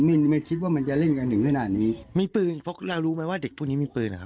ไม่ไม่คิดว่ามันจะเล่นกันถึงขนาดนี้มีปืนเพราะเรารู้ไหมว่าเด็กพวกนี้มีปืนเหรอครับ